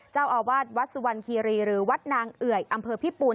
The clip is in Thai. เจ้าอาวาสวัดสุวรรณคีรีหรือวัดนางเอ่ยอำเภอพิปูน